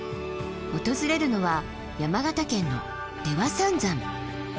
訪れるのは山形県の出羽三山。